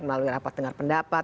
melalui rapat tengah pendapat